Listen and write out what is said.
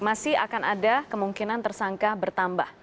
masih akan ada kemungkinan tersangka bertambah